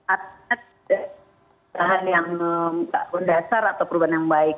ada perubahan yang tidak berdasar atau perubahan yang baik